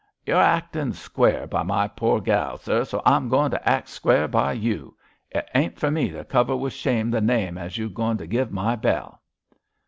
You're actin' square by my poor gal, sir, so I'm agoin' to act square by you. It ain't for me to cover with shame the name as you're goin' to give my Bell.'